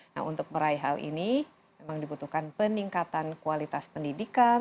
nah untuk meraih hal ini memang dibutuhkan peningkatan kualitas pendidikan